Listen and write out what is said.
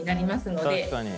確かに。